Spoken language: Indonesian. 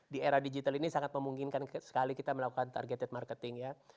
di era digital ini sangat memungkinkan sekali kita melakukan targeted marketing ya